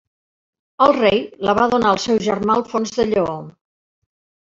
El rei la va donar al seu germà Alfons de Lleó.